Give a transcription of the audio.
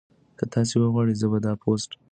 که تاسي وغواړئ زه به دا پوسټ درسره شریک کړم.